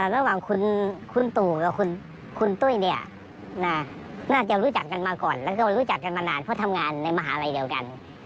ระหว่างคุณตู่กับคุณตุ้ยเนี่ยน่าจะรู้จักกันมาก่อนแล้วก็รู้จักกันมานานเพราะทำงานในมหาลัยเดียวกัน